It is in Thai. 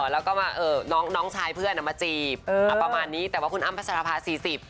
แล้วก็มาน้องชายเพื่อนมาจีบประมาณนี้แต่ว่าคุณอ้ำพระสารภาษีสิบ